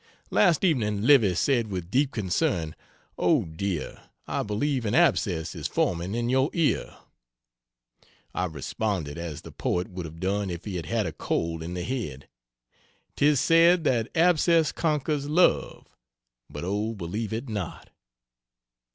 Last evening Livy said with deep concern, "O dear, I believe an abscess is forming in your ear." I responded as the poet would have done if he had had a cold in the head "Tis said that abscess conquers love, But O believe it not."